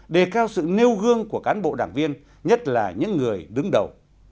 đề cao sự nêu gương của cán bộ đảng viên nhất là những người đứng đầu